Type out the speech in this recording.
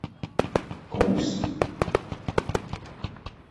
Kungs?